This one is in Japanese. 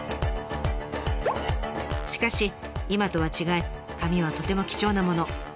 しかし今とは違い紙はとても貴重なもの。